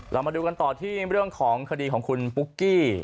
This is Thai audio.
เรามาดูกันต่อที่เรื่องของคดีของคุณปุ๊กกี้